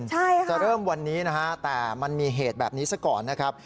ใช่ค่ะจะเริ่มวันนี้นะฮะแต่มันมีเหตุแบบนี้ซะก่อนนะครับ